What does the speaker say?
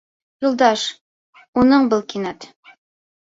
Юлдаш, уның был кинәт